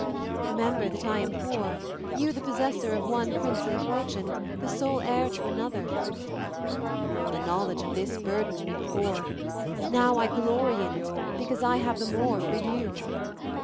Remember I am poor, you the possessor of one princely fortune, the sole heir to another." "The knowledge of this burdened me before; now I glory in it because I have the more for you."